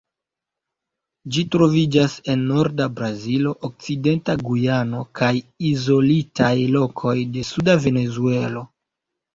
Ĝi troviĝas en norda Brazilo, okcidenta Gujano kaj izolitaj lokoj de suda Venezuelo.